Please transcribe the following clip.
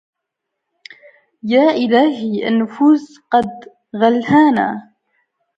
يا إلهي النفوس قد غالهنه